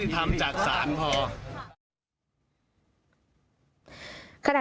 แต่ผมขอความยุติธรรมจากศาลพอ